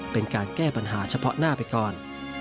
เป็นการแก้ปัญหาเฉพาะหน้าไปก่อน